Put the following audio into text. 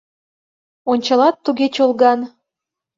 Ончалат туге чолган —